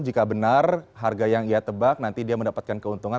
jika benar harga yang ia tebak nanti dia mendapatkan keuntungan